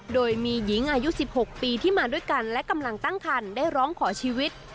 โดยมีหญิงอายุ๑๖ปีที่มาด้วยกันและกำลังตั้งคันได้ร้องขอชีวิต